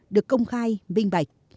được công khai minh bạch